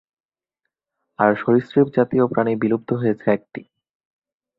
আর সরীসৃপজাতীয় প্রাণী বিলুপ্ত হয়েছে একটি।